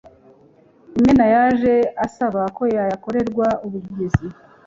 Imena yaje asaba ko yakorerwa ubuvugizi